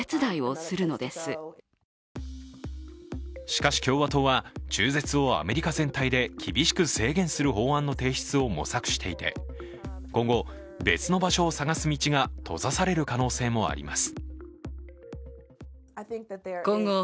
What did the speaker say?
しかし、共和党は中絶をアメリカ全体で厳しく制限する法案の提出を模索していて今後、別の場所を探す道が閉ざされる可能性もあります。